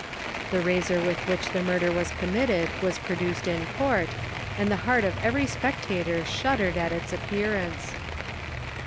The razor with which the murder was committed was produced in Court, and the heart of every spectator shuddered at itc appearance.